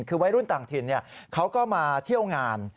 คือวัยรุ่นต่างถิ่นเขาก็มาเที่ยวงาน